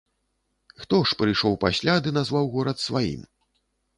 Хто ж прыйшоў пасля ды назваў горад сваім?